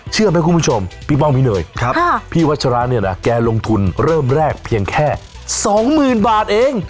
เชื่อไหมคุณผู้ชมปิ๊บองพินอยพี่วัดชระเนี่ยแกลงลงทุนเริ่มแรกเพียงแค่๒หมื่นบาทเอง